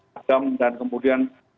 padam dan kemudian